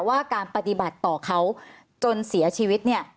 ว่าการปฏิบัติต่อเขาจนเสียชีวิตเนี่ย